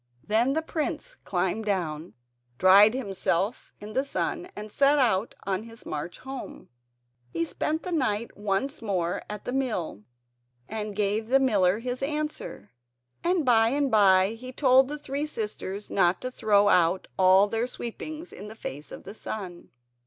Then the prince climbed down, dried himself in the sun, and set out on his march home. He spent the night once more at the mill and gave the miller his answer, and by and by he told the three sisters not to throw out all their sweepings in the face of the sun.